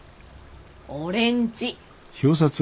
俺んち。